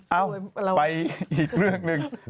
เอ้าไปอีกเรื่องหนึ่ง